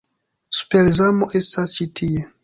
Super-Zamo estas ĉi tie